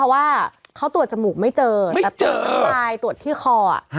ว่าเค้าตรวจจมูกไม่เจอไม่เจอแต่ตรวจทำรายตรวจพี่คออะฮ่า